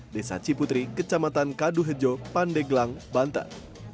desa ciputri kecamatan kaduhejo pandeglang banten